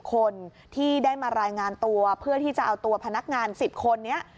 คนที่ได้มารายงานตัวเพื่อที่จะเอาตัวพนักงาน๑๐คนนี้